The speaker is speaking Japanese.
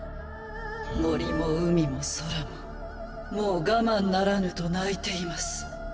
森も海も空ももう我慢ならぬと泣いています。